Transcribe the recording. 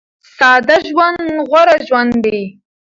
ساده ژوند غوره ژوند دی.